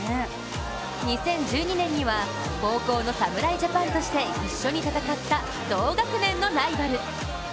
２０１２年には高校の侍ジャパンとして一緒に戦った同学年のライバル。